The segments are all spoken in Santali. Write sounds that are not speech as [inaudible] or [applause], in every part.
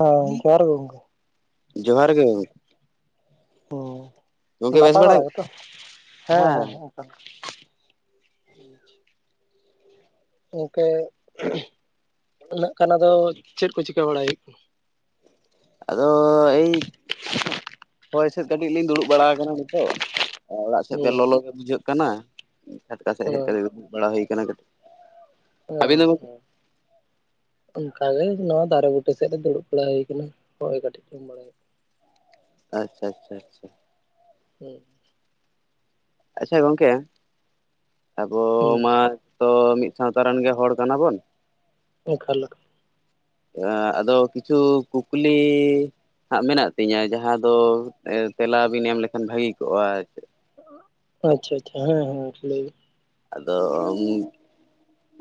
ᱦᱮ ᱡᱚᱦᱟᱨ ᱜᱮ ᱜᱚᱝᱠᱮ ᱡᱚᱦᱟᱨ ᱜᱮ ᱜᱟᱹᱵᱩ [inaudible] ᱦᱮᱸ ᱱᱟᱯᱟᱭ ᱵᱟᱲᱟ ᱜᱮ? ᱜᱮᱛᱚ ᱦᱮᱸ ᱦᱮᱸᱚᱱᱠᱟ [unintelligible] ᱜᱚᱢᱠᱮ ᱩᱹᱜ ᱠᱟᱱᱟ ᱫᱚ ᱪᱮᱫ ᱠᱚ ᱪᱤᱠᱟᱹ ᱵᱟᱲᱟᱭᱮᱫ ᱦᱳᱭᱳᱜ ᱠᱟᱱᱟ ᱟᱫᱚ ᱮᱭ ᱦᱚᱭ ᱥᱮᱫ ᱠᱟᱹᱴᱤᱡ ᱞᱤᱧ ᱫᱩᱲᱩᱵ ᱵᱟᱲᱟ ᱠᱟᱱᱟ ᱜᱮᱛᱚ ᱚᱲᱟᱜ ᱥᱮᱫ ᱯᱮ ᱦᱩᱭᱩᱜ ᱞᱚᱞᱚ ᱜᱮ ᱵᱩᱡᱷᱟᱹᱜ ᱠᱟᱱᱟ ᱪᱷᱟᱴᱠᱟ ᱥᱮᱫ ᱦᱮᱡ ᱠᱟᱱᱟ ᱠᱟᱛᱮ ᱫᱩᱲᱩᱵ ᱵᱟᱲᱟ ᱦᱩᱭᱠᱟᱴᱤᱡ ᱚ ᱦᱚᱸ ᱚᱱᱠᱟᱜᱮ ᱱᱚᱣᱟ ᱫᱟᱨᱮ ᱵᱩᱴᱟᱹ ᱥᱮᱫ ᱨᱮ ᱫᱩᱲᱩᱵ ᱵᱟᱲᱟ ᱦᱩᱭ ᱟᱠᱟᱱᱟ ᱦᱳᱭ ᱠᱟᱹᱴᱤᱡ ᱠᱷᱚᱱ ᱢᱟᱲᱟᱝ ᱨᱮ ᱟᱪᱪᱷᱟ ᱟᱪᱪᱷᱟ ᱟᱪᱪᱷᱟ ᱦᱮᱸ ᱟᱪᱪᱷᱟ ᱜᱚᱝᱠᱮ ᱟᱵᱚ ᱦᱩᱸ ᱦᱩᱸ ᱢᱟ ᱛᱚ ᱢᱤᱫ ᱥᱟᱶᱛᱟ ᱨᱮᱱ ᱜᱮ ᱦᱚᱲ ᱠᱟᱱᱟᱵᱚᱱ ᱦᱸ ᱮᱠᱷᱟᱞ ᱟᱫᱚ ᱠᱤᱪᱷᱩ ᱠᱩᱠᱞᱤ ᱦᱟᱸᱜ ᱢᱮᱱᱟᱜ ᱛᱤᱧᱟᱹ ᱡᱟᱦᱟᱸ ᱫᱚ ᱛᱮᱞᱟ ᱵᱤᱱ ᱮᱢ ᱞᱮᱠᱷᱟᱱ ᱵᱷᱟᱹᱜᱤ ᱠᱚᱜᱼᱟ ᱟᱪᱪᱷᱟ ᱟᱪᱪᱷᱟ ᱦᱮᱸ ᱦᱮᱸ ᱞᱟᱹᱭ ᱟᱫᱚ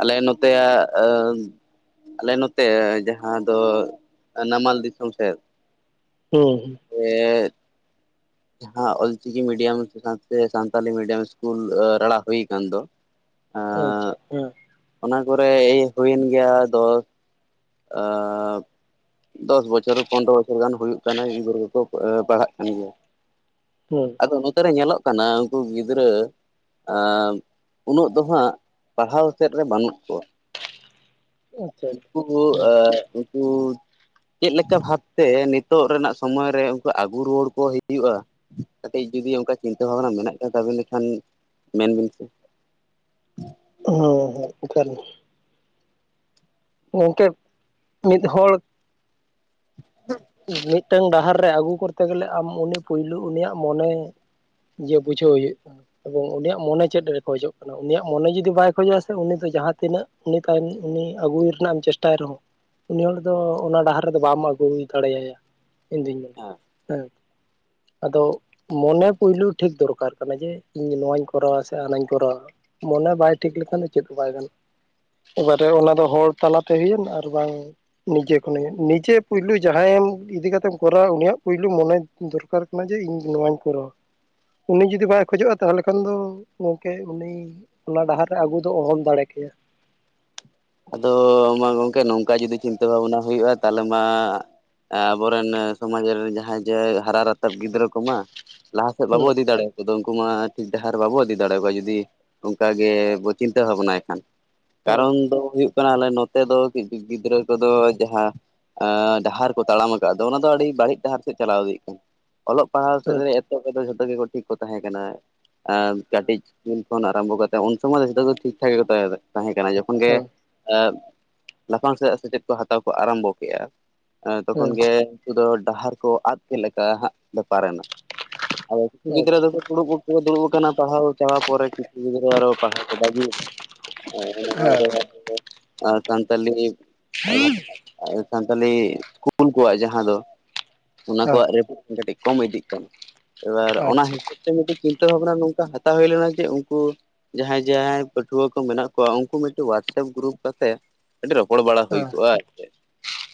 ᱟᱞᱮ ᱱᱚᱛᱮᱭᱟᱜ ᱟᱞᱮ ᱱᱚᱛᱮ ᱡᱟᱦᱟᱸ ᱫᱚ ᱱᱟᱢᱟᱞ ᱫᱤᱥᱚᱢ ᱥᱮᱫ ᱵᱤᱱ ᱦᱩᱸ ᱮᱦᱜ ᱡᱟᱦᱟᱸ ᱚᱞᱪᱤᱠᱤ ᱢᱤᱰᱤᱭᱟᱢ ᱥᱟᱶᱛᱮ ᱥᱟᱱᱛᱟᱞᱤ ᱢᱤᱰᱤᱭᱟᱢ ᱤᱥᱠᱩᱞ ᱨᱟᱲᱟ ᱦᱩᱭ ᱢᱮᱱ ᱫᱚ ᱟᱪᱪᱷᱟ ᱟᱸ ᱦᱮᱸ ᱚᱱᱟ ᱠᱚᱨᱮ ᱦᱩᱭᱮᱱ ᱜᱮᱭᱟ ᱫᱚ ᱫᱚᱥ ᱵᱚᱪᱷᱚᱨ ᱯᱚᱱᱨᱚ ᱵᱚᱪᱷᱚᱨ ᱜᱟᱱ ᱦᱩᱭᱩᱜ ᱠᱟᱱᱟ ᱜᱤᱫᱟᱹᱨᱟᱹ ᱠᱚᱠᱚ ᱯᱟᱲᱦᱟᱜ ᱠᱟᱱ ᱜᱮᱭᱟ ᱦᱩᱸ ᱟᱫᱚ ᱱᱚᱛᱮ ᱨᱮ ᱧᱮᱞᱚᱜ ᱠᱟᱱᱟ ᱩᱱᱠᱩ ᱜᱤᱫᱽᱨᱟᱹ ᱮ ᱩᱱᱟᱹᱜ ᱫᱚ ᱦᱜ ᱯᱟᱲᱦᱟᱣ ᱥᱮᱫ ᱨᱮ ᱵᱟᱹᱱᱩᱜ ᱠᱚᱣᱟ ᱟᱪᱪᱷᱟ ᱦᱮᱸ ᱮ ᱩᱱᱠᱩ ᱪᱮᱫᱞ ᱞᱮᱠᱟ ᱵᱷᱟᱵᱛᱮ ᱱᱤᱛᱚᱜ ᱨᱮᱱᱟᱜ ᱥᱚᱢᱚᱭ ᱨᱮ ᱩᱱᱠᱩ ᱟᱹᱜᱩ ᱨᱩᱣᱟᱹᱲ ᱠᱚ ᱦᱩᱭᱩᱜᱼᱟ ᱠᱟᱹᱴᱤᱡ ᱡᱩᱫᱤ ᱚᱱᱠᱟ ᱪᱤᱱᱛᱟᱹ ᱵᱷᱟᱵᱱᱟ ᱢᱮᱱᱟᱜ ᱠᱷᱟᱱ ᱛᱟᱵ ᱞᱮᱠᱷᱟᱱ ᱢᱮᱱᱵᱤᱱ ᱥᱮ ᱦᱚᱸ ᱦᱚᱸ ᱮᱠᱟᱞ ᱜᱚᱝᱠᱮ ᱢᱤᱫ ᱦᱚᱲ ᱢᱤᱫᱴᱟᱝ ᱰᱟᱦᱟᱨ ᱨᱮ ᱟᱹᱜᱩ ᱠᱚᱨᱛᱮ ᱜᱮᱞᱮ ᱟᱢ ᱩᱱᱤ ᱯᱳᱭᱞᱳ ᱩᱱᱤᱭᱟᱜ ᱢᱚᱱᱮ ᱡᱮ ᱵᱩᱡᱷᱟᱹᱣ ᱦᱩᱭᱩᱜ ᱠᱟᱱᱟ ᱮᱵᱚᱝ ᱩᱱᱤᱭᱟᱜ ᱢᱚᱱᱮ ᱪᱮᱫ ᱨᱮ ᱠᱷᱚᱡᱚᱜ ᱠᱟᱱᱟ ᱩᱱᱤᱭᱟᱜ ᱢᱚᱱᱮ ᱡᱩᱫᱤ ᱵᱟᱭ ᱠᱷᱚᱡᱚᱜᱼᱟᱥ ᱩᱱᱤ ᱡᱟᱦᱟᱸ ᱛᱤᱱᱟᱹᱜ ᱩᱱᱤ ᱛᱟᱭ ᱩᱱᱤ ᱟᱹᱜᱩᱭ ᱨᱮᱱᱟᱜ ᱮᱢ ᱪᱮᱥᱴᱟᱭ ᱨᱮᱦᱚᱸ ᱩᱱᱤ ᱦᱚᱲ ᱫᱚ ᱚᱱᱟ ᱰᱟᱦᱟᱨ ᱨᱮᱫᱚ ᱵᱟᱢ ᱟᱹᱜᱩ ᱫᱟᱲᱮᱭᱟᱭᱟ ᱤᱧᱫᱩᱧ ᱢᱮᱱᱟ ᱦᱮᱸ ᱦᱮᱸ ᱟᱫᱚ ᱢᱚᱱᱮ ᱯᱳᱭᱞᱳ ᱴᱷᱤᱠ ᱫᱚᱨᱠᱟᱨ ᱠᱟᱱᱟ ᱡᱮ ᱤᱧ ᱱᱚᱣᱟᱧ ᱠᱚᱨᱟᱣᱟ ᱥᱮ ᱦᱟᱱᱟᱧ ᱠᱚᱨᱟᱣᱟ ᱢᱚᱱᱮ ᱵᱟᱭ ᱴᱷᱤᱠ ᱞᱮᱠᱷᱟᱱ ᱫᱚ ᱪᱮᱫ ᱵᱟᱭ ᱜᱟᱱᱚᱜᱼᱟ ᱚᱠᱟᱨᱮ ᱚᱱᱟ ᱫᱚ ᱦᱚᱲ ᱛᱟᱞᱟᱛᱮ ᱦᱩᱭᱮᱱ ᱟᱨ ᱵᱟᱝ ᱱᱤᱡᱮ ᱠᱷᱚᱱ ᱱᱤᱡᱮ ᱯᱩᱭᱞ ᱡᱟᱦᱟᱸᱭᱮᱢ ᱤᱫᱤ ᱠᱟᱛᱮᱢ ᱠᱚᱨᱟᱣᱟ ᱩᱱᱤᱭᱟᱜ ᱯᱳᱭᱞᱳ ᱢᱚᱱᱮ ᱫᱚᱨᱠᱟᱨ ᱠᱟᱱᱟ ᱡᱮ ᱤᱧ ᱱᱚᱣᱟᱧ ᱠᱚᱨᱟᱣᱟ ᱩᱱᱤ ᱡᱩᱫᱤ ᱵᱟᱭ ᱠᱷᱚᱡᱚᱜᱼᱟ ᱛᱟᱦᱚᱞᱮ ᱠᱷᱟᱱ ᱫᱚ ᱜᱚᱢᱠᱮ ᱩᱱᱤ ᱚᱱᱟ ᱰᱟᱦᱟᱨ ᱨᱮ ᱟᱹᱜᱩ ᱫᱚ ᱚᱦᱚᱱ ᱫᱟᱲᱮ ᱠᱮ ᱴᱤᱠ ᱟᱫᱚ ᱢᱟ ᱜᱚᱝᱠᱮ ᱱᱚᱝᱠᱟ ᱡᱩᱫᱤ ᱪᱤᱱᱛᱟᱹ ᱵᱷᱟᱵᱱᱟ ᱦᱩᱭᱩᱜᱼᱟ ᱛᱟᱦᱚᱞᱮ ᱢᱟ ᱟᱵᱚᱨᱮᱱ ᱥᱚᱢᱟᱡᱽ ᱨᱮᱱ ᱡᱟᱦᱟᱸᱭ ᱡᱮ ᱦᱟᱨᱟ ᱨᱟᱛᱟᱵ ᱜᱤᱫᱽᱨᱟᱹ ᱠᱚᱢᱟ ᱞᱟᱦᱟ ᱥᱮᱫ ᱵᱟᱵᱚ ᱦᱩᱸ ᱤᱫᱤ ᱫᱟᱲᱮᱭᱟ ᱠᱚᱫᱚ ᱩᱱᱚ ᱢᱟ ᱴᱷᱤᱠ ᱰᱟᱦᱟᱨ ᱵᱟᱵᱚ ᱤᱫᱤ ᱫᱟᱲᱮᱭᱟᱠᱚᱣᱟ ᱡᱩᱫᱤ ᱚᱱᱠᱟᱟᱜ ᱜᱮ ᱵᱚ ᱪᱤᱱᱛᱟᱹ ᱵᱷᱟᱵᱱᱟ ᱮᱠᱷᱟᱱ ᱠᱟᱨᱚᱱ ᱫᱚ ᱦᱩᱭᱩᱜ ᱠᱟᱱᱟ ᱟᱞᱮ ᱱᱚᱛᱮ ᱫᱚ ᱜᱤᱫᱽᱨᱟᱹ ᱠᱚᱫᱚ ᱡᱟᱦᱟᱸ ᱮ ᱰᱟᱦᱟᱨ ᱠᱚ ᱛᱟᱲᱟᱢ ᱟᱠᱟᱫ ᱫᱚ ᱚᱱᱟ ᱫᱚ ᱟᱹᱰᱤ ᱵᱟᱹᱲᱤᱡ ᱰᱟᱦᱟᱨ ᱥᱮᱫ ᱪᱟᱞᱟᱣ ᱤᱫᱤᱜ ᱠᱟᱱᱟ ᱚᱞᱚᱜ ᱯᱟᱲᱦᱟᱣ ᱥᱮᱫ ᱨᱮ ᱟᱪᱪᱷᱟ ᱮᱛᱚᱵ ᱨᱮᱫᱚ ᱡᱷᱚᱛᱚ ᱜᱮᱠᱚ ᱴᱷᱤᱠ ᱠᱚ ᱛᱟᱦᱮᱸ ᱠᱟᱱᱟ ᱟᱨ ᱠᱟᱹᱴᱤᱡ ᱚᱱᱟ ᱟᱨᱟᱢᱵᱷᱚ ᱠᱟᱛᱮ ᱩᱱ ᱥᱚᱢᱚᱭ ᱫᱚ ᱡᱚᱛᱚᱜᱮ ᱴᱷᱤᱠ ᱴᱷᱟᱠ ᱜᱮ ᱛᱟᱦᱮᱸ ᱠᱟᱱᱟ ᱡᱚᱠᱷᱚᱱ ᱜᱮ ᱦᱮᱸ ᱞᱟᱯᱷᱟᱝ ᱥᱮᱫᱟᱜ ᱥᱮᱪᱮᱫ ᱠᱚ ᱦᱟᱛᱟᱣ ᱠᱚ ᱟᱨᱟᱢᱵᱚ ᱠᱮᱫᱼᱟ᱾ ᱛᱚᱠᱷᱚᱱ ᱦᱮᱸ ᱜᱮ ᱱᱩᱠᱩ ᱫᱚ ᱰᱟᱦᱟᱨ ᱠᱚ ᱟᱫ ᱠᱮᱫ ᱞᱮᱠᱟ ᱦᱟᱜ ᱵᱮᱯᱟᱨ ᱮᱱᱟ᱾ ᱟᱫᱚ ᱠᱤᱪᱷᱩ ᱜᱤᱫᱽᱨᱟᱹ ᱟᱪᱪᱷᱟ ᱫᱚᱠᱚ ᱫᱩᱲᱩᱵ ᱠᱚ ᱫᱩᱲᱩᱵ ᱟᱠᱟᱱᱟ ᱯᱟᱲᱦᱟᱣ ᱪᱟᱵᱟ ᱯᱚᱨᱮ ᱠᱤᱪᱷᱩ ᱜᱤᱫᱽᱨᱟᱹ ᱟᱨᱚ ᱯᱟᱲᱦᱟᱣ ᱠᱚ ᱵᱟᱹᱜᱤᱭᱟ ᱦᱮᱸ ᱱᱚᱣᱮ ᱦᱮᱸ ᱟᱵᱚ ᱥᱟᱱᱛᱟᱞᱤ ᱥᱟᱱᱛᱟᱞᱤ ᱤᱥᱠᱩᱞ ᱠᱚᱣᱟᱜ ᱡᱟᱦᱟᱸ ᱫᱚ ᱚᱱᱟ ᱠᱚᱣᱟᱜ ᱨᱮᱴᱮᱝ ᱠᱟᱹᱴᱤᱡ ᱠᱚᱢ ᱤᱫᱤᱜ ᱠᱟᱱᱟ ᱮᱵᱟᱨ ᱚᱱᱟ ᱥᱤᱥᱴᱮᱢᱮᱴᱤᱠ ᱵᱷᱟᱵᱱᱟ ᱱᱚᱝᱠᱟ ᱦᱟᱛᱟᱣ ᱦᱩᱭ ᱞᱮᱱᱟ ᱡᱮ ᱩᱱᱠᱩ ᱦᱟᱛᱟᱣ ᱦᱩᱭ ᱞᱮᱱᱟ ᱡᱮ ᱩᱸᱠᱩ ᱡᱟᱦᱟᱸᱭ ᱡᱟᱦᱟᱸᱭ ᱯᱟᱹᱴᱷᱩᱣᱟᱹ ᱠᱚ ᱢᱮᱱᱟᱜ ᱠᱚᱣᱟ ᱩᱱᱠᱩ ᱢᱤᱫᱴᱮᱱ ᱦᱣᱟᱴᱥᱮᱯ ᱜᱨᱩᱯ ᱚᱛᱮ ᱟᱹᱰᱤ ᱨᱚᱯᱚᱲ ᱵᱟᱲᱟ ᱦᱩᱭ ᱟᱪᱪᱷᱟ ᱦᱮᱸ ᱠᱚᱜᱼᱟ ᱟᱨ ᱪᱮ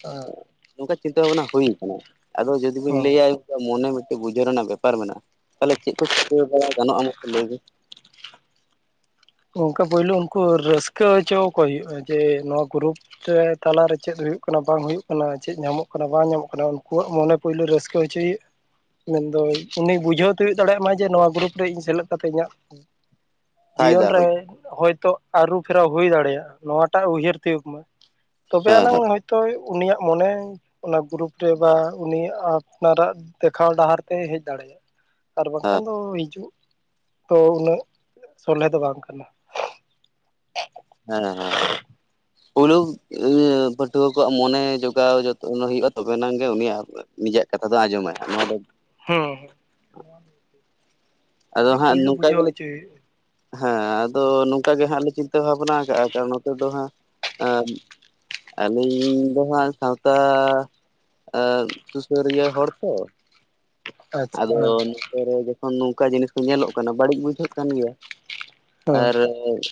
ᱦᱮᱸ ᱱᱚᱝᱠᱟ ᱪᱤᱱᱛᱟᱹ ᱵᱷᱟᱵᱱᱟ ᱦᱩᱭ-ᱟ ᱠᱟᱱᱟ᱾ ᱟᱫᱚ ᱡᱩᱫᱤ ᱵᱤᱱ ᱦᱮᱸ ᱞᱟᱹᱭᱟ ᱢᱚᱱᱮ ᱢᱤᱫᱴ ᱵᱩᱡᱷᱟᱹᱣ ᱨᱮᱱᱟᱜ ᱵᱮᱯᱟᱨ ᱢᱮᱱᱟᱜᱼᱟ᱾ ᱛᱟᱦᱚᱞᱮ ᱪᱮᱫ ᱠᱚ ᱪᱤᱠᱟᱹ ᱵᱟᱲᱟ ᱜᱟᱱᱚᱜᱼᱟ ᱢᱟᱥᱮ ᱞᱟᱹᱭ ᱵᱤᱱ [inaudible] ᱚᱱᱠᱟ ᱯᱳᱭᱞᱳ ᱩᱱᱠᱩ ᱨᱟᱹᱥᱠᱟᱹ ᱦᱚᱪᱚᱠᱚ ᱦᱩᱭᱩᱜᱼᱟ ᱡᱮ ᱱᱚᱣᱟ ᱜᱨᱩᱯ ᱛᱟᱞᱟᱨᱮ ᱪᱮᱫ ᱦᱩᱭᱩᱜ ᱠᱟᱱᱟ ᱵᱟᱝ ᱦᱩᱭᱩᱜ ᱠᱟᱱᱟ ᱪᱮᱫ ᱧᱟᱢᱚᱜ ᱠᱟᱱᱟ ᱵᱟᱝ ᱧᱟᱢᱚᱜ ᱠᱟᱱᱟ ᱩᱱᱠᱩᱣᱟᱜ ᱢᱚᱱᱮ ᱯᱳᱭᱞᱳ ᱨᱟᱹᱥᱠᱟᱹ ᱦᱚᱪᱚᱭᱼᱟ᱾ ᱢᱮᱱᱫᱚ ᱩᱱᱤ ᱵᱩᱡᱷᱟᱹᱣ ᱛᱮᱳ ᱫᱟᱲᱮᱭᱟᱜ ᱢᱟ ᱡᱮ ᱱᱚᱣᱟ ᱜᱨᱩᱯ ᱨᱮ ᱤᱧ ᱥᱮᱞᱮᱫ ᱠᱟᱛᱮᱫ ᱤᱧᱟᱹᱜ ᱯᱷᱟᱭᱫᱟ ᱡᱤᱭᱚᱱ ᱨᱮ ᱦᱩᱭ ᱦᱚᱭᱛᱳ ᱟᱹᱨᱩ ᱯᱷᱮᱨᱟᱣ ᱦᱩᱭ ᱫᱟᱲᱮᱭᱟᱜᱼᱟ᱾ ᱱᱚᱣᱟᱴᱟᱜ ᱩᱭᱦᱟᱹᱨ ᱛᱤᱭᱳᱜ ᱢᱮ᱾ ᱛᱚᱵᱮ ᱦᱮᱸ ᱟᱱᱟᱝ ᱦᱚᱳᱭᱛᱳ ᱩᱱᱤᱭᱟᱜ ᱢᱚᱱᱮ ᱚᱱᱟ ᱜᱨᱩᱯ ᱨᱮ ᱵᱟ ᱩᱱᱤᱭᱟᱜ ᱟᱨᱟᱜ ᱫᱮᱠᱷᱟᱣ ᱰᱟᱦᱟᱨ ᱛᱮᱭ ᱦᱮᱡ ᱫᱟᱲᱮᱭᱟᱜᱼᱟ ᱟᱨ ᱵᱟᱝᱠᱷᱟᱱ ᱦᱮᱸ ᱫᱚ ᱦᱤᱡᱩᱜ ᱛᱚ ᱩᱱᱟᱹᱜ ᱥᱚᱞᱦᱮ ᱫᱚ ᱵᱟᱝ ᱠᱟᱱᱟ᱾ ᱦᱮᱸ ᱦᱮᱸ ᱯᱩᱭᱞᱩ ᱤᱭᱟᱹ ᱯᱟᱹᱴᱷᱣᱟᱹ ᱠᱚᱣᱟᱜ ᱢᱚᱱᱮ ᱡᱚᱜᱟᱣ ᱡᱚᱛᱚᱱ ᱦᱩᱭᱩᱜᱭᱼᱟ ᱛᱚᱵᱮᱱᱟᱝ ᱜᱮ ᱩᱱᱤᱭᱟᱜ ᱤᱟᱹᱜ ᱠᱟᱛᱷᱟ ᱫᱚ ᱟᱸᱡᱚᱢᱟᱭ ᱱᱚᱣᱟ ᱫᱚ ᱦᱮᱸ ᱟᱫᱚ ᱦᱟᱸᱜ ᱱᱚᱝᱠᱟ ᱜᱮᱞᱮ ᱦᱩᱭᱩᱜᱼᱟ ᱦᱮᱸ ᱟᱫᱚ ᱚᱱᱠᱟᱟᱜ ᱜᱮ ᱦᱟᱸᱜ ᱞᱮ ᱪᱤᱱᱛᱟᱹ ᱵᱷᱟᱵᱱᱟ ᱠᱟᱜᱼᱟ ᱠᱟᱨᱚᱱ ᱱᱚᱛᱮ ᱫᱚ ᱦᱟᱸᱜ ᱟᱹᱞᱤᱧ ᱫᱚ ᱦᱟᱸᱜ ᱥᱟᱶᱛᱟ ᱟ ᱥᱩᱥᱟᱹᱨᱤᱭᱟᱹ ᱦᱚᱲ ᱛᱚ ᱟᱪᱪᱷᱟ ᱟᱫᱚ ᱦᱮᱸ ᱱᱚᱛᱮ ᱨᱮ ᱡᱚᱠᱷᱚᱱ ᱱᱚᱝᱠᱟ ᱡᱤᱱᱤᱥ ᱠᱚ ᱧᱮᱞᱚᱜ ᱠᱟᱱᱟ ᱵᱟᱹᱲᱤᱡ ᱵᱩᱡᱷᱟᱹᱜ ᱠᱟᱱ ᱜᱮᱭᱟ᱾ ᱦᱮᱸ ᱟᱨ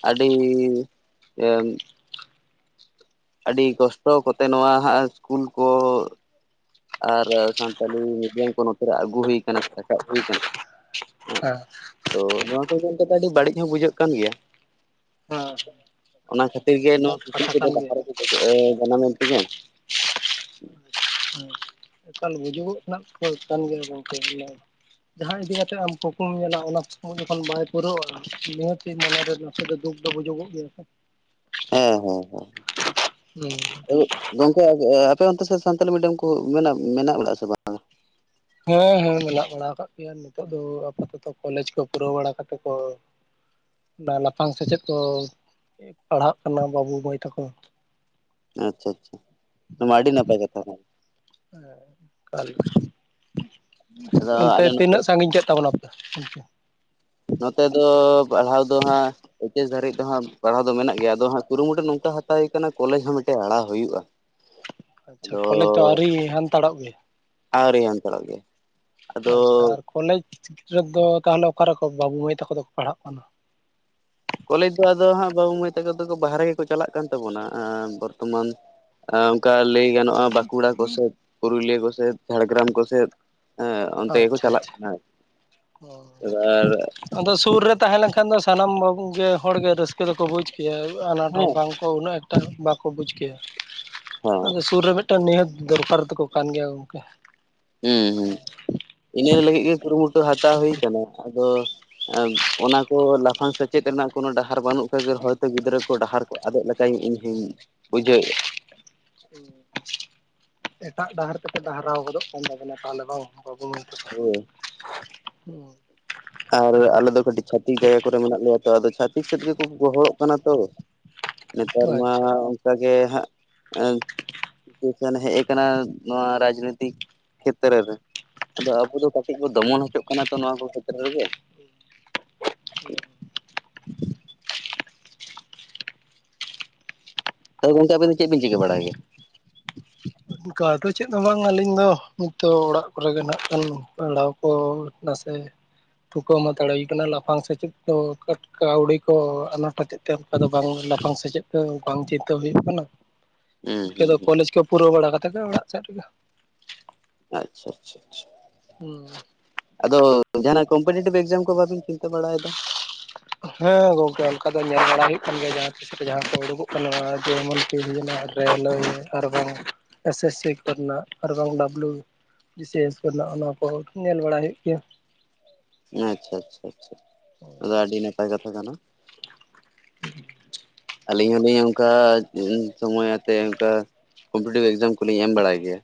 ᱟᱹᱰᱤ ᱮᱱ ᱟᱹᱰᱤ ᱠᱚᱥᱴᱚ ᱠᱚᱛᱮ ᱱᱚᱣᱟ ᱦᱟᱸ ᱥᱤᱥᱠᱩᱞ ᱠᱚ ᱟᱨ ᱥᱟᱱᱛᱟᱞᱤ ᱢᱤᱰᱤᱭᱟᱢ ᱠᱚ ᱱᱚᱛᱮᱨᱮ ᱟᱹᱜᱩ ᱦᱩᱭ ᱠᱟᱱᱟ ᱥᱮ ᱨᱟᱠᱟᱵ ᱦᱩᱭ ᱠᱟᱱᱟ᱾ ᱦᱮᱸ ᱛᱚ ᱱᱚᱣᱟ ᱟᱹᱰᱤ ᱵᱟᱹᱲᱤᱡ ᱦᱚᱸ ᱵᱩᱡᱷᱟᱹᱜ ᱠᱟᱱ ᱜᱮᱭᱟ ᱦᱮᱸ ᱦᱮᱸ ᱚᱱᱟ ᱠᱷᱟᱹᱛᱤᱨ ᱜᱮ ᱵᱩᱡᱩᱜᱚᱜ ᱱᱚᱣᱟ ᱨᱮᱱᱟᱜ ᱠᱩᱞᱤ ᱠᱟᱛᱷᱟ ᱠᱚᱫᱚ ᱠᱟᱱ ᱞᱟᱦᱟ ᱜᱮᱭᱟ ᱨᱮᱠᱚ ᱡᱟᱱᱟᱢᱮᱱ ᱛᱤᱧᱟᱹ᱾ ᱮᱠᱟᱞ ᱵᱩᱡᱩᱜᱚᱜ ᱠᱟᱱ ᱜᱮᱭᱟ ᱜᱚᱝᱠᱮ ᱡᱟᱦᱟᱸ ᱤᱫᱤ ᱠᱟᱛᱮ ᱟᱢ ᱠᱩᱠᱢᱩᱢ ᱧᱮᱞᱟ ᱚᱱᱟ ᱠᱩᱠᱢᱩᱢ ᱡᱚᱠᱷᱚᱱ ᱵᱟᱭ ᱯᱩᱨᱟᱹᱜᱼᱟ᱾ ᱱᱤᱦᱟᱹᱛ ᱢᱚᱱᱮᱨᱮ ᱱᱟᱥᱮ ᱫᱚ ᱫᱩᱠ ᱫᱚ ᱵᱩᱡᱩᱜᱚᱜ ᱜᱮᱭᱟᱥᱮ ᱦᱮᱸ ᱦᱮᱸ ᱦᱩᱸ ᱦᱮᱸ ᱜᱚᱢᱠᱮ᱾ ᱟᱯᱮ ᱚᱱᱛᱮ ᱥᱮᱫ ᱥᱟᱱᱛᱟᱞᱤ ᱢᱤᱰᱤᱭᱟᱢ ᱠᱚ ᱢᱮᱱᱟᱜ ᱢᱮᱱᱟᱜ ᱵᱟᱲᱟᱜ ᱟ ᱥᱮ ᱵᱟᱝ ᱦᱮᱸ ᱦᱮᱸ ᱢᱮᱱᱟᱜ ᱵᱟᱲᱟ ᱠᱟᱜ ᱜᱮᱭᱟ ᱱᱤᱛᱚᱜ ᱫᱚ ᱟᱯᱟᱛᱚᱛᱚ ᱠᱚᱞᱮᱡᱽ ᱠᱚ ᱯᱩᱨᱟᱹᱣ ᱵᱟᱲᱟ ᱠᱟᱛᱮ ᱠᱚ ᱚᱱᱟ ᱞᱟᱯᱷᱟᱝ ᱥᱮᱪᱮᱫ ᱠᱚ ᱯᱟᱲᱦᱟᱜ ᱠᱟᱱᱟ ᱵᱟᱹᱵᱩ ᱢᱟᱹᱭ ᱛᱟᱠᱚ ᱟᱪᱪᱷᱟ ᱟᱪᱪᱷᱟ ᱱᱚᱣᱟ ᱢᱟ ᱟᱹᱰᱤ ᱱᱟᱯᱟᱭ ᱠᱟᱛᱷᱟ ᱠᱟᱱᱟ ᱦᱮᱞ ᱟᱫᱚ ᱚᱱᱛᱮ ᱟᱞᱮ ᱱᱚᱛᱮ ᱛᱤᱱᱟᱹᱜ ᱥᱟᱺᱜᱤᱧ ᱠᱮᱫ ᱛᱟᱵᱚᱱᱟ [unintelligible] ᱛᱷᱮᱝᱠᱤᱭᱩ ᱱᱚᱛᱮ ᱫᱚ ᱯᱟᱲᱦᱟᱣ ᱫᱚ ᱦᱟᱸᱜ ᱠᱚ ᱫᱷᱟᱹᱨᱤᱡ ᱫᱚ ᱦᱟᱸᱜ ᱯᱟᱲᱦᱟᱣ ᱫᱚ ᱢᱮᱱᱟᱜ ᱜᱮᱭᱟ ᱟᱫᱚ ᱦᱟᱸᱜ ᱠᱩᱨᱩᱢᱩᱴᱩ ᱱᱚᱝᱠᱟ ᱦᱟᱛᱟᱣ ᱠᱟᱱᱟ ᱠᱚᱞᱮᱡᱽ ᱦᱚᱸ ᱢᱤᱫᱴᱮᱡ ᱟᱲᱟᱜ ᱦᱩᱭᱩᱜᱼᱟ ᱟᱪᱪᱷᱟ ᱟᱫᱚ ᱠᱚᱞᱮᱡᱽ ᱫᱚ ᱟᱹᱣᱨᱤ ᱦᱟᱱᱛᱟᱲᱚᱜ ᱜᱮ ᱟᱹᱣᱨᱤ ᱦᱟᱱᱛᱟᱲᱚᱜ ᱜᱮ ᱟᱫᱚ ᱟᱪᱪᱷᱟ ᱟᱨ ᱠᱚᱞᱮᱡᱽ ᱫᱚ ᱛᱟᱦᱚᱞᱮ ᱚᱠᱟᱨᱮᱠᱚ ᱵᱟᱹᱵᱩ ᱢᱟᱹᱭ ᱛᱟᱠᱚ ᱫᱚᱠᱚ ᱯᱟᱲᱦᱟᱜ ᱠᱟᱱᱟ ᱠᱚᱞᱮᱡᱽ ᱫᱚ ᱟᱫᱚ ᱦᱟᱸᱜ ᱵᱟᱹᱵᱩ ᱢᱟᱹᱭ ᱛᱟᱠᱚ ᱫᱚᱠᱚ ᱵᱟᱦᱨᱮ ᱜᱮᱠᱚ ᱪᱟᱞᱟᱜ ᱠᱟᱱ ᱛᱟᱵᱚᱱᱟ ᱵᱚᱨᱛᱚᱢᱟᱱ ᱚᱱᱠᱟ ᱞᱟᱹᱭ ᱜᱟᱱᱚᱜᱼᱟ ᱵᱟᱸᱠᱩᱲᱟ ᱠᱚᱥᱮᱫ ᱯᱩᱨᱩᱞᱤᱭᱟᱹ ᱠᱚᱥᱮᱫ ᱡᱷᱟᱲᱜᱨᱟᱢ ᱠᱚᱥᱮᱫ ᱦᱮᱸ ᱚᱱᱛᱮ ᱜᱮᱠᱚ ᱪᱟᱞᱟᱜ ᱠᱟᱱᱟ ᱮᱵᱟᱨ ᱚ ᱟᱫᱚ ᱥᱩᱨ ᱨᱮ ᱛᱟᱦᱮᱸ ᱞᱮᱱᱠᱷᱟᱱ ᱫᱚ ᱥᱟᱱᱟᱢ ᱜᱮ ᱦᱚᱲ ᱜᱮ ᱨᱟᱹᱥᱠᱟᱹ ᱫᱚᱠᱚ ᱵᱩᱡ ᱠ ᱟᱱᱟᱴ ᱦᱮᱸ ᱦᱚᱸ ᱦᱮᱸ ᱵᱟᱝ ᱠᱚ ᱩᱱᱟᱹᱜ ᱮᱠᱴᱟ ᱵᱟᱠᱚ ᱵᱩᱡ ᱠᱮᱭᱟ ᱟᱫᱚ ᱥᱩᱨ ᱨᱮ ᱢᱤᱫᱴᱟᱝ ᱱᱤᱦᱟᱹᱛ ᱫᱚᱨᱠᱟᱨ ᱛᱟᱠᱚ ᱠᱟᱱ ᱜᱮᱭᱟ ᱜᱚᱢᱠᱮ ᱦᱮᱸ ᱦᱩᱸ ᱤᱱᱟᱹ ᱞᱟᱹᱜᱤᱫ ᱜᱮ ᱠᱩᱨᱩᱢᱩᱴᱩ ᱦᱟᱛᱟᱣ ᱦᱩᱭ ᱟᱠᱟᱱᱟ ᱟᱫᱚ ᱚᱱᱟ ᱠᱚ ᱞᱟᱯᱷᱟᱝ ᱥᱮᱪᱮᱫ ᱨᱮᱱᱟᱜ ᱠᱳᱱᱳ ᱰᱟᱦᱟᱨ ᱵᱟᱹᱱᱩᱜ ᱠᱷᱟ ᱦᱚᱭᱛᱳ ᱜᱤᱫᱽᱨᱟᱹ ᱠᱚ ᱰᱟᱦᱟᱨ ᱟᱫᱚᱜ ᱞᱮᱠᱟ ᱤᱧ ᱦᱚᱧ ᱵᱩᱡᱷᱟᱹᱣᱮᱫᱼᱟ ᱮᱴᱟᱜ ᱰᱟᱦᱟᱨ ᱛᱮ ᱰᱟᱦᱟᱨᱟᱣ ᱜᱚᱫᱚᱜ ᱠᱟᱱ ᱛᱟᱵᱚᱱᱟ ᱛᱟᱦᱚᱞᱮ ᱵᱟᱝ ᱦᱳᱭ [unintelligible] ᱦᱩᱸ ᱟᱨ ᱟᱞᱮ ᱫᱚ ᱠᱟᱹᱴᱤᱡ ᱪᱷᱟᱹᱛᱤᱠ ᱡᱟᱭᱜᱟ ᱠᱚᱨᱮ ᱢᱮᱱᱟᱜ ᱞᱮᱭᱟ ᱛᱚ ᱟᱫᱚ ᱪᱷᱟᱹᱛᱤᱠ ᱥᱮᱫ ᱜᱮᱠᱚ ᱜᱚᱦᱚᱲᱚᱜ ᱠᱟᱱᱟ ᱛᱚ ᱱᱮᱛᱟᱨ ᱢᱟ ᱟᱪᱪᱷᱟ ᱚᱱᱠᱟ ᱜᱮ ᱦᱟᱜ [unintelligible] ᱦᱮᱡ ᱠᱟᱱᱟ ᱱᱚᱣᱟ ᱨᱟᱡᱽᱱᱤᱛᱤᱠ ᱠᱷᱮᱛᱨᱮ ᱨᱮ ᱟᱫᱚ ᱟᱵᱚ ᱫᱚ ᱠᱟᱹᱴᱤᱡ ᱵᱚ ᱫᱚᱢᱚᱱ ᱦᱚᱪᱚᱜ ᱠᱟᱱᱟ ᱛᱚ ᱱᱚᱣᱟ ᱠᱚ- ᱠᱷᱮᱛᱨᱮ ᱨᱮᱜᱮ [inaudible] ᱛᱚ ᱜᱚᱢᱠᱮ ᱟᱵᱤᱱ ᱫᱚ ᱪᱮᱫ ᱵᱤᱱ ᱪᱤᱠᱟᱹ ᱵᱟᱲᱟᱭ ᱜᱮ ᱚᱱᱠᱟ ᱫᱚ ᱪᱮᱫ ᱦᱚᱸ ᱵᱟᱝ ᱟᱹᱞᱤᱧ ᱫᱚ ᱱᱤᱛᱚᱜ ᱚᱲᱟᱜ ᱠᱚᱨᱮ ᱜᱮ ᱱᱟᱜ-ᱠᱷᱟᱱ ᱯᱟᱲᱦᱟᱣ ᱠᱚ ᱱᱟᱥᱮ ᱛᱷᱩᱠᱟᱹᱢ ᱦᱟᱛᱟᱲ ᱦᱩᱭ ᱠᱟᱱᱟ ᱞᱟᱯᱷᱟᱝ ᱥᱮᱪᱮᱫ ᱫᱚ--ᱠᱟᱹᱣᱰᱤ ᱠᱚ ᱟᱱᱟᱴ ᱦᱚᱛᱮᱡ ᱛᱮ ᱚᱱᱠᱟ ᱫᱚ ᱵᱟᱝ ᱞᱟᱯᱷᱟᱝ ᱥᱮᱪᱮᱫ ᱫᱚ ᱵᱟᱝ ᱪᱤᱱᱛᱟᱹ ᱦᱩᱭᱩᱜ ᱠᱟᱱᱟ ᱦᱩᱸ ᱤᱱᱠᱟᱹ ᱦᱩᱸ ᱫᱚ ᱦᱩᱸ ᱠᱚᱞᱮᱡᱽ ᱠᱚ ᱯᱩᱨᱟᱹᱣ ᱵᱟᱲᱟ ᱠᱟᱛᱮ ᱜᱮ ᱚᱲᱟᱜ ᱥᱮᱜ ᱨᱮᱜᱮ ᱟᱪᱪᱷᱟ ᱟᱪᱪᱷᱟ ᱟᱪᱪᱷᱟ ᱦᱩᱸ ᱟᱫᱚ ᱡᱟᱦᱟᱱᱟᱜ ᱠᱚᱢᱯᱤᱴᱤᱴᱤᱵᱽ ᱮᱠᱡᱟᱢ ᱠᱚ ᱵᱟᱵᱤᱱ ᱪᱤᱱᱛᱟᱹ ᱵᱟᱲᱟᱭ ᱫᱟ ᱦᱮᱸ ᱜᱚᱝᱠᱮ ᱚᱱᱠᱟ ᱫᱚ ᱧᱮᱞ ᱵᱟᱲᱟ ᱦᱩᱭᱩᱜ ᱠᱟᱱ ᱜᱮᱭᱟ ᱡᱟᱦᱟᱸ ᱛᱤᱥᱨᱮ ᱡᱟᱦᱟᱸ ᱠᱚ ᱩᱰᱩᱠᱚᱜ ᱠᱟᱱᱟ [unintelligible] ᱨᱮ ᱞᱟᱹᱭ ᱟᱨ ᱵᱟᱝ ᱮᱥ ᱮᱥ ᱥᱤ ᱠᱚᱨᱮᱱᱟᱜ ᱟᱨ ᱵᱟᱝ ᱰᱟᱵᱞᱩ ᱵᱤᱥᱮᱥ ᱠᱚᱨᱮᱱᱟᱜ ᱚᱱᱟ ᱠᱚ ᱧᱮᱞ ᱵᱟᱲᱟ ᱦᱩᱭᱩᱜ ᱜᱮᱭᱟ ᱟᱪᱪᱷᱟ ᱟᱪᱪᱷᱟ ᱟᱫᱚ ᱟᱹᱰᱤ ᱱᱟᱯᱟᱭ ᱠᱟᱛᱷᱟ ᱠᱟᱱᱟ ᱟᱹᱞᱤᱧ ᱦᱚᱸᱞᱤᱧ ᱚᱱᱠᱟ ᱥᱩᱢᱟᱹᱭ ᱟᱛᱮ ᱚᱝᱠᱟ ᱠᱚᱢᱯᱤᱴᱤᱴᱤᱵᱽ ᱮᱠᱡᱟᱢ ᱠᱚᱞᱤᱧ ᱮᱢ ᱵᱟᱲᱟᱭ ᱜᱮᱭᱟ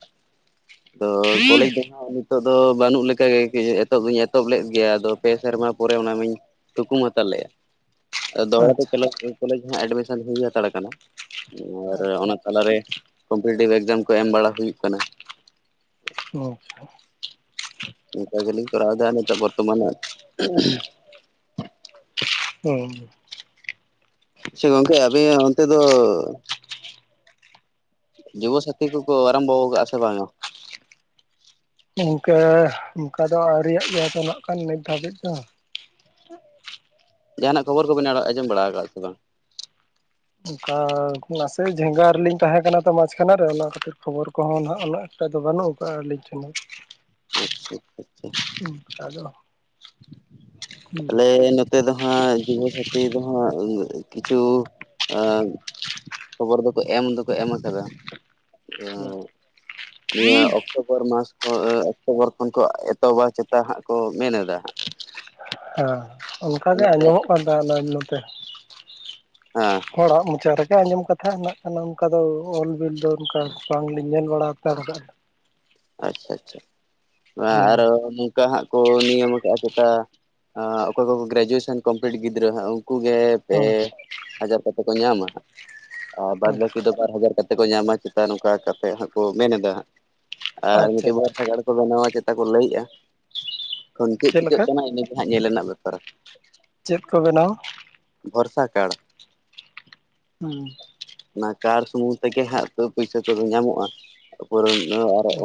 ᱛᱚ ᱠᱚᱞᱮᱡᱽ ᱫᱚ ᱦᱟᱜ ᱱᱤᱛᱚᱜ ᱫᱚ ᱵᱟᱹᱱᱩᱜ ᱞᱮᱠᱟ ᱜᱮ ᱮᱛᱚᱦᱚᱵ ᱫᱩᱧ ᱮᱛᱚᱦᱚᱵ ᱞᱮᱫ ᱜᱮᱭᱟ ᱟᱫᱚ ᱯᱮ ᱥᱮᱨᱢᱟ ᱯᱚᱨᱮ ᱚᱱᱟ ᱢᱟᱹᱧ ᱛᱩᱠᱩᱢᱟ ᱛᱟᱞᱮᱭᱟ ᱫᱚᱲᱦᱟ ᱛᱮ ᱟᱪᱪᱷᱟ ᱠᱚᱞᱮᱡᱽ [unintelligible] ᱦᱚᱸ ᱮᱰᱢᱤᱥᱚᱱ ᱦᱩᱭ ᱦᱟᱛᱟᱲ ᱠᱟᱱᱟ ᱟᱨ ᱟᱪᱪᱷᱟ ᱚᱱᱟ ᱛᱟᱞᱟᱨᱮ ᱠᱚᱢᱯᱤᱴᱤᱴᱤᱵᱽ ᱮᱠᱡᱟᱢ ᱠᱚ ᱮᱢ ᱵᱟᱲᱟ ᱦᱩᱭᱩᱜ ᱠᱟᱱᱟ᱾ ᱚ ᱚᱱᱠᱟ ᱜᱮᱞᱤᱧ ᱠᱚᱨᱟᱣ ᱫᱟ ᱱᱤᱛᱳᱜ ᱵᱚᱨᱛᱚᱢᱟᱱ ᱟᱜ ᱦᱩᱸ ᱟᱪᱪᱷᱟ ᱜᱚᱢᱠᱮ ᱟᱵᱤᱱ ᱚᱱᱛᱮ ᱫᱚ ᱡᱩᱵᱚᱥᱟᱛᱤ ᱠᱚᱠᱚ ᱟᱨᱟᱢᱵᱚ ᱠᱟᱜᱼᱟ ᱥᱮ ᱵᱟᱝᱼᱟ ᱤᱱᱠᱟᱹ ᱚᱱᱠᱟ ᱫᱚ ᱟᱹᱣᱨᱤᱭᱟᱜ ᱜᱮᱭᱟ ᱛᱚ ᱱᱟᱜ ᱠᱷᱟᱱ ᱱᱤᱛ ᱫᱷᱟᱹᱵᱤᱡ ᱫᱚ ᱡᱟᱦᱟᱱᱟᱜ ᱠᱷᱚᱵᱚᱨ ᱠᱚᱵᱮᱱ ᱟᱡᱚᱢ ᱵᱟᱲᱟ ᱠᱟᱜ ᱥᱮ ᱵᱟᱝ ᱚᱱᱠᱟ ᱱᱟᱥᱮ ᱡᱷᱮᱸᱜᱟ ᱨᱮᱞᱤᱧ ᱛᱟᱦᱮᱸ ᱠᱟᱱᱟ ᱛᱚ ᱢᱟᱡᱽ ᱠᱷᱟᱱᱟ ᱨᱮ ᱚᱱᱟ ᱠᱷᱟᱹᱛᱤᱨ ᱠᱷᱚᱵᱚᱨ ᱠᱚᱦᱚᱸ ᱱᱟᱜ ᱩᱱᱟᱹᱜ [unintelligible] ᱴᱟᱜ ᱫᱚ ᱵᱟᱹᱱᱩᱜ ᱟᱠᱟᱟᱜᱼᱟ ᱟᱹᱞᱤᱧ ᱴᱷᱮᱱ ᱟᱪᱪᱷᱟ ᱟᱪᱪᱷᱟ ᱟᱪᱪᱷᱟ ᱚᱱᱠᱟ ᱫᱚ ᱦᱩᱸ ᱟᱞᱮ ᱱᱚᱛᱮ ᱫᱚ ᱦᱟᱜ ᱡᱩᱵᱚᱥᱟᱛᱤ ᱫᱚ ᱦᱟᱜ ᱠᱤᱪᱷᱩ ᱠᱷᱚᱵᱚᱨ ᱫᱚᱠᱚ ᱮᱢ ᱫᱚᱠᱚ ᱮᱢ ᱠᱟᱫᱟ ᱦᱩᱸ ᱚ ᱱᱤᱭᱟᱹ ᱦᱮᱸ ᱚᱠᱴᱳᱵᱚᱨ ᱢᱟᱥ ᱠᱷᱚᱱ ᱚᱠᱴᱳᱵᱚᱨ ᱠᱷᱚᱱ ᱠᱚ ᱮᱛᱚᱦᱚᱵᱟ ᱪᱮᱛᱟ ᱦᱟᱜ ᱠᱚ ᱢᱮᱱ ᱮᱫᱟ ᱦᱟᱸᱜ ᱦᱮᱸ ᱚᱱᱠᱟᱜᱮ ᱚᱱᱟᱨᱮ ᱟᱸᱡᱚᱢᱚᱜ ᱠᱟᱱ ᱛᱟᱦᱮᱱᱟ ᱱᱚᱛᱮ ᱦᱮᱸ ᱦᱚᱲᱟᱜ ᱢᱚᱪᱟᱨᱮ ᱟᱸᱡᱚᱢ ᱠᱟᱛᱷᱟ ᱦᱮᱱᱟᱜ ᱠᱟᱱᱟ ᱚᱱᱠᱟ ᱫᱚ ᱚᱞ ᱵᱤᱞ ᱫᱚ ᱚᱱᱠᱟ ᱵᱟᱝ ᱞᱤᱧ ᱧᱮᱞ ᱵᱟᱲᱟ ᱦᱟᱛᱟᱲ ᱠᱟᱜ-ᱟ᱾ ᱟᱪᱪᱷᱟ ᱟᱪᱪᱷᱟ ᱟᱨᱚ ᱚᱱᱠᱟ ᱦᱟᱜ ᱠᱚ ᱱᱤᱭᱚᱢ ᱠᱟᱜ-ᱟ᱾ ᱪᱮᱛᱟ ᱚᱠᱚᱭ ᱠᱚᱠᱚ ᱜᱨᱮᱡᱩᱭᱮᱥᱮᱱ ᱠᱚᱢᱯᱞᱤᱴ ᱜᱤᱫᱽᱨᱟᱹ ᱦᱟᱜ ᱩᱱᱠᱩ ᱜᱮ ᱯᱮ ᱦᱩᱸ ᱦᱟᱡᱟᱨ ᱠᱟᱛᱮ ᱠᱚ ᱧᱟᱢᱟ ᱦᱟᱜ ᱟᱨ ᱵᱟᱫᱽ ᱵᱟᱹᱠᱤ ᱫᱚ ᱵᱟᱨ ᱦᱟᱡᱟᱨ ᱠᱟᱛ- ᱧᱟᱢᱟ ᱪᱮᱛᱟ ᱱᱚᱝᱠᱟ ᱠᱟᱛᱮ ᱦᱟᱜ ᱠᱚ ᱢᱮᱱ ᱮᱫᱟ ᱦᱟᱜ ᱟᱨ ᱟᱪᱪᱷᱟ ᱢᱤᱫᱴᱤᱡ ᱵᱟᱨ ᱥᱟᱜᱟᱲ ᱠᱚ ᱵᱮᱱᱟᱣᱟ- ᱠᱚ ᱞᱟᱹᱭ ᱮᱜᱼᱟ ᱮᱠᱷᱚᱱ ᱪᱮᱜ ᱪᱮᱫ ᱪᱤᱠᱟᱹᱜ ᱞᱮᱠᱟ ᱠᱟᱱᱟ ᱤᱱᱟᱹᱜᱮ ᱦᱟᱜ ᱧᱮᱞ ᱨᱮᱱᱟᱜ ᱵᱮᱯᱟᱨ᱾ ᱪᱮᱫ ᱠᱚ ᱵᱮᱱᱟᱣ ᱵᱚᱨᱥᱟ ᱠᱟᱲ ᱦᱩᱸ ᱠᱟᱨ ᱥᱩᱢᱩᱝ ᱛᱮᱜᱮ ᱦᱟᱜ ᱯᱩᱭᱥᱟ ᱠᱚᱫᱚ ᱧᱟᱢᱚᱜᱼᱟ ᱾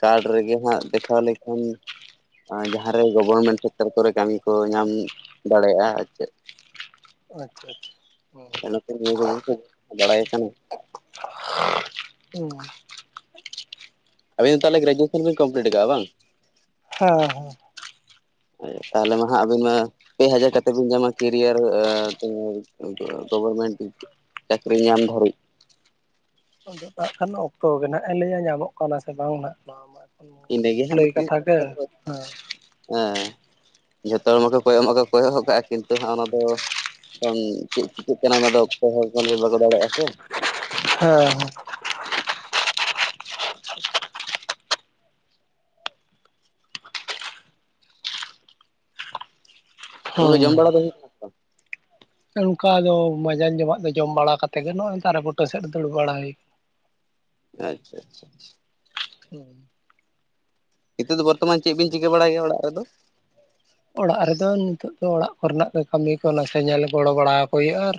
ᱠᱟᱨᱰ ᱨᱮᱜᱮ ᱦᱟᱜ ᱫᱮᱠᱷᱟᱣ ᱞᱮᱠᱷᱟᱱ ᱡᱟᱦᱟᱸᱨᱮ ᱜᱚᱵᱷᱚᱨᱢᱮᱱᱴ ᱥᱮᱠᱴᱟᱨ ᱠᱚᱨᱮ ᱠᱟᱹᱢᱤ ᱠᱚ ᱧᱟᱢ ᱫᱟᱲᱮᱭᱟᱜᱼᱟ ᱟᱨ ᱪᱮᱫ ᱟᱪᱪᱷᱟ ᱟᱪᱪᱷᱟ ᱦᱩᱸ ᱵᱟᱲᱟᱭ ᱠᱟᱱ ᱦᱮᱸ ᱟᱹᱵᱤᱱ ᱛᱟᱦᱚᱞᱮ ᱜᱨᱮᱡᱩᱣᱮᱥᱚᱱ ᱵᱤᱱ ᱠᱚᱢᱯᱞᱤᱴ ᱟᱠᱟᱟᱜᱼᱟ ᱵᱟᱝ? ᱦᱮᱸ ᱦᱮᱸ ᱛᱟᱦᱞᱮ ᱢᱟ ᱦᱟᱸᱜ ᱟᱹᱵᱤᱱ ᱢᱟ ᱯᱮ ᱦᱟᱡᱟᱨ ᱠᱟᱛᱮᱫ ᱵᱮᱱ ᱧᱟᱢᱟ ᱠᱮᱨᱤᱭᱟᱨ ᱜᱚᱵᱚᱨᱢᱮᱱᱴ ᱪᱟᱹᱠᱨᱤ ᱧᱟᱢ ᱫᱷᱟᱹᱨᱤᱡ ᱟᱫᱚ ᱮᱠᱷᱟᱱ ᱚᱠᱛᱚ ᱜᱮ ᱱᱟᱦᱟᱸᱜ ᱟᱹᱞᱤᱧᱟᱜ ᱧᱟᱢᱚᱜ ᱠᱟᱱᱟ ᱥᱮ ᱵᱟᱝ ᱦᱟᱸᱜ ᱱᱚᱣᱟ ᱢᱟ᱾ ᱮᱠᱷᱚᱱ ᱮᱱᱰᱮ ᱜᱮ ᱱᱟᱦᱟᱜ ᱞᱟᱹᱭ ᱢᱤᱫᱴᱮᱱ ᱜᱮ ᱠᱟᱛᱷᱟ ᱫᱚ ᱦᱮᱸ ᱡᱚᱛᱚ ᱦᱚᱲ ᱢᱟᱠᱚ ᱠᱚᱭᱚᱜ ᱢᱟ ᱠᱚ ᱠᱚᱭᱚᱜ ᱠᱟᱜᱼᱟ᱾ ᱠᱤᱱᱛᱩ ᱦᱟᱸᱜ ᱚᱱᱟᱫᱚ ᱚᱱ ᱪᱮᱫ ᱪᱤᱠᱟᱹᱜ ᱠᱟᱱᱟ ᱚᱱᱟ ᱫᱚ ᱚᱠᱚᱭ ᱦᱚᱲ ᱠᱷᱟᱹᱞᱤ ᱵᱟᱠᱚ ᱫᱟᱲᱮᱭᱟ ᱥᱮ ᱦᱮᱸᱮ ᱛᱚᱵᱮ ᱦᱩᱸ ᱡᱚᱢ ᱵᱟᱲᱟ ᱫᱚ ᱦᱩᱭᱱᱟ ᱥᱮ ᱵᱟᱝ? ᱱᱚ ᱱᱚᱱᱠᱟ ᱫᱚ ᱢᱟᱡᱟᱱ ᱡᱚᱢᱟᱜ ᱜᱮ ᱡᱚᱢ ᱵᱟᱲᱟ ᱠᱟᱛᱮᱜ ᱜᱮ ᱱᱚᱜᱼᱚᱭ ᱫᱟᱨᱮ ᱵᱩᱴᱟᱹ ᱥᱮᱫ ᱨᱮ ᱫᱩᱲᱩᱵ ᱵᱟᱲᱟ ᱦᱩᱭ ᱟᱠᱟᱱᱟ᱾ ᱟᱪᱪᱷᱟ ᱟᱪᱪᱷᱟ ᱦᱮᱸ ᱱᱤᱛᱚᱜ ᱫᱚ ᱵᱚᱨᱛᱚᱢᱟᱱ ᱪᱮᱫ ᱵᱮᱱ ᱪᱤᱠᱟᱹ ᱵᱟᱲᱟᱭ ᱜᱮᱭᱟ ᱚᱲᱟᱜ ᱨᱮᱫᱚ ᱚᱲᱟᱜ ᱨᱮᱫᱚ ᱱᱤᱛᱚᱜ ᱫᱚ ᱚᱲᱟᱜ ᱠᱚᱨᱮᱱᱟᱜ ᱜᱮ ᱠᱟᱹᱢᱤ ᱠᱚ ᱱᱟᱥᱮ ᱧᱮᱞ ᱜᱚᱲᱚ ᱵᱟᱲᱟᱠᱚ ᱦᱩᱭᱩᱜᱼᱟ ᱟᱨ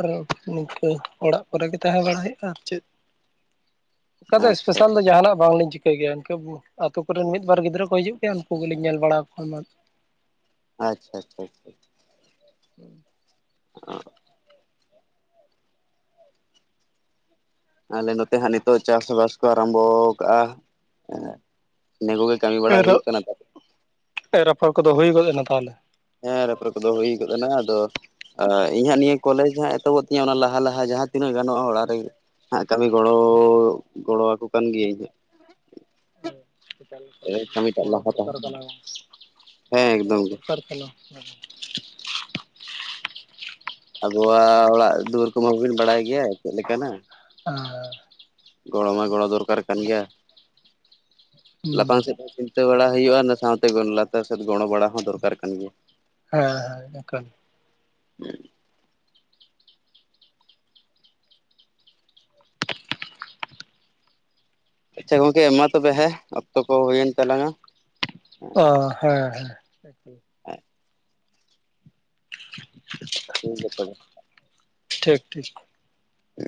ᱱᱤᱝᱠᱟᱹ ᱚᱲᱟᱜ ᱠᱚᱨᱮ ᱜᱮ ᱛᱟᱦᱮᱸ ᱵᱟᱲᱟᱭ ᱦᱩᱭᱩᱜᱼᱟ᱾ ᱟᱨ ᱪᱮᱫ [inaudible] ᱚᱱᱠᱟ ᱫᱚ ᱟᱪᱪᱷᱟ ᱮᱥᱯᱮᱥᱟᱞ ᱫᱚ ᱡᱟᱦᱟᱱᱟᱜ ᱵᱟᱝᱞᱤᱧ ᱪᱤᱠᱟᱹ ᱤᱱᱠᱟᱹ ᱜᱮᱭᱟ ᱤᱱᱠᱟᱹ ᱟᱹᱛᱳ ᱠᱚᱨᱮᱱ ᱢᱤᱫᱵᱟᱨ ᱜᱤᱫᱽᱨᱟᱹ ᱠᱚ ᱦᱤᱡᱩᱜ ᱜᱮᱭᱟ ᱩᱱᱠᱩ ᱜᱮᱞᱤᱧ ᱧᱮᱞ ᱵᱟᱲᱟ ᱠᱚᱣᱟ ᱮᱢᱟᱱ ᱟᱪᱪᱷᱟ ᱟᱪᱪᱷᱟ ᱟᱷᱟ [inaudible] ᱚ ᱟᱞᱮ ᱱᱚᱛᱮ ᱦᱟᱸᱜ ᱱᱤᱛᱚᱜ ᱪᱟᱥᱵᱟᱥ ᱠᱚ ᱟᱨᱟᱢᱵᱷᱚ ᱠᱟᱜᱼᱟ ᱾ ᱤᱱᱟᱹ ᱠᱚᱜᱮ ᱠᱟᱹᱢᱤ ᱵᱟᱲᱟ ᱮᱨᱚᱜ ᱦᱩᱭᱩᱜ ᱠᱟᱱᱟ ᱛᱟᱦ ᱮᱨ ᱟᱯᱷᱚᱨ ᱠᱚᱫᱚ ᱦᱩᱭ ᱜᱚᱫ ᱮᱱᱟ ᱛᱟᱦᱚᱞᱮ? ᱦᱮᱸ ᱮᱨ ᱟᱯᱷᱚᱨ ᱠᱚᱫᱚ ᱦᱩᱭ ᱜᱚᱫ ᱮᱱᱟ ᱟᱫᱚ ᱟᱹ ᱤᱧ ᱦᱟᱸᱜ ᱱᱤᱭᱟᱹ ᱠᱚᱞᱮᱡᱽ ᱦᱟᱸᱜ ᱮᱛᱚᱦᱚᱵᱚᱜ ᱛᱤᱧᱟᱹ᱾ ᱚᱱᱟ ᱞᱟᱦᱟ ᱞᱟᱦᱟ ᱡᱟᱦᱟᱸ ᱛᱤᱱᱟᱹᱜ ᱜᱟᱱᱚᱜᱼᱟ ᱚᱲᱟᱜ ᱨᱮᱜᱮ ᱦᱟᱸᱜ ᱠᱟᱹᱢᱤ ᱜᱚᱲᱚ ᱜᱚᱲᱚ ᱟᱠᱠᱚ ᱠᱟᱱ ᱜᱤᱭᱟᱹᱧ ᱦᱟᱸ ᱮᱠᱟᱞ ᱮᱠᱟᱞ ᱜᱚᱲᱚ ᱞᱟᱦᱟ ᱛᱟᱦᱮᱸ ᱫᱚᱨᱠᱟᱨ ᱠᱟᱱᱟ᱾ ᱦᱮᱸ ᱜᱚᱲᱚ ᱮᱠᱫᱚᱢ ᱜᱮ ᱫᱚᱨᱠᱟᱨ ᱠᱟᱱᱟ᱾ ᱟᱵᱚᱣᱟᱜ ᱚᱲᱟᱜ ᱫᱩᱣᱟᱹᱨ ᱠᱚᱢᱟᱵᱳᱱ ᱵᱟᱲᱟᱭ ᱜᱮᱭᱟ ᱪᱮᱫ ᱞᱮᱠᱟᱱᱟ᱾ ᱟᱨ ᱜᱚᱲᱚ ᱢᱟ ᱜᱚᱲᱚ ᱫᱚᱨᱠᱟᱨ ᱠᱟᱱ ᱜᱮᱭᱟ ᱦᱮᱸ ᱞᱟᱛᱷᱟᱝ ᱥᱮᱫ ᱡᱛᱮ ᱵᱟᱲᱟ ᱦᱩᱭᱩᱜᱼᱟ ᱚᱱᱟ ᱥᱟᱶᱛᱮ ᱞᱟᱛᱟᱨ ᱥᱮᱫ ᱜᱚᱲᱚ ᱵᱟᱲᱟ ᱦᱚᱸ ᱫᱚᱨᱠᱟᱨ ᱠᱟᱱ ᱜᱮᱭᱟ ᱦᱮᱸ ᱦᱮᱸ ᱮᱱᱟᱞ ᱦᱮᱸ ᱟᱪᱪᱷᱟ ᱜᱚᱢᱠᱮ ᱢᱟ ᱛᱚᱵᱮ ᱦᱮᱸ ᱚᱠᱛᱚ ᱠᱚ ᱦᱩᱭᱮᱱ ᱛᱟᱞᱟᱝᱟ ᱚ ᱦᱮᱸ ᱦᱮᱸ ᱴᱷᱤᱠ ᱜᱮᱭᱟ ᱛᱚᱵᱮ ᱴᱷᱤᱠ ᱴᱷᱤᱠ ᱦ